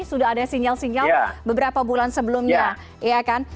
sudah ada sinyal sinyal beberapa bulan sebelumnya ya kan